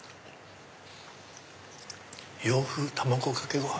洋風卵かけご飯。